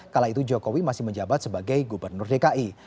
kala itu jokowi masih menjabat sebagai gubernur dki